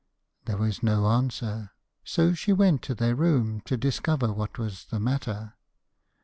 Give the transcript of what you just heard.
There was no answer, so she went to their room to discover what was the matter.